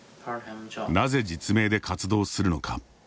なぜ実名で活動するのか。